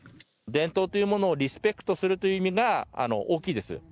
伝統というものをリスペクトするという意味が大きいです。